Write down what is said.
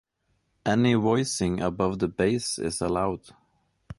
Any voicing above the bass is allowed.